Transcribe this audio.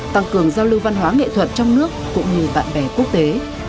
tăng cường giao lưu văn hóa nghệ thuật trong nước cũng như bạn bè quốc tế